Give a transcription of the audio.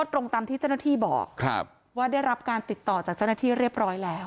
ตรงตามที่เจ้าหน้าที่บอกว่าได้รับการติดต่อจากเจ้าหน้าที่เรียบร้อยแล้ว